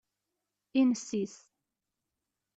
Inessis.